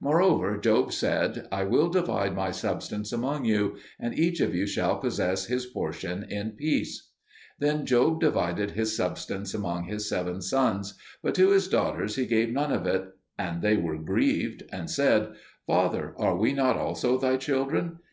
Moreover, Job said, "I will divide my substance among you, and each of you shall possess his portion in peace." Then Job divided his substance among his seven sons, but to his daughters he gave none of it; and they were grieved, and said, "Father, are we not also thy children?"